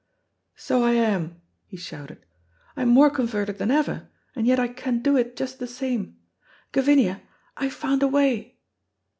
"So I am," he shouted, "I'm more converted than ever, and yet I can do it just the same! Gavinia, I've found a wy!"